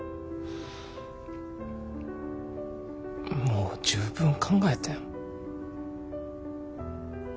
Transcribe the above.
もう十分考えてん。